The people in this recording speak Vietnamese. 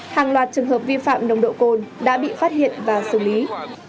hàng loạt trường hợp vi phạm nồng độ cồn đã bị phát hiện và xử lý